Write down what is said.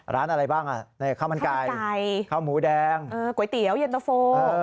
อะไรบ้างข้าวมันไก่ข้าวหมูแดงก๋วยเตี๋ยวเย็นตะโฟ